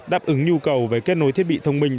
đáp ứng nhu cầu về kết nối thiết bị thông minh